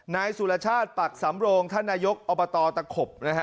นายสุรชาติปักสำโรงท่านนายกอบตตะขบนะฮะ